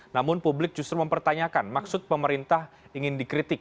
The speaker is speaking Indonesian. namun publik justru mempertanyakan maksud pemerintah ingin dikritik